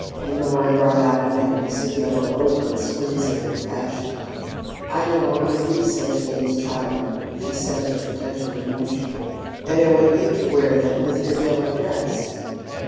Honora brought out a necklace of yellow opals whimsically fashioned. "I no longer use such things, child," she said with a touch of emotion. "And I want you to wear them with your yellow dress."